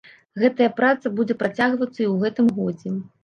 Гэтая праца будзе працягвацца і ў гэтым годзе.